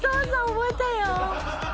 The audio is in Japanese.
覚えたよ